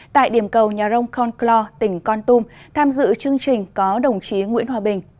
tại điểm cầu nhà rông con clou tỉnh con tum tham dự chương trình có đồng chí nguyễn hòa bình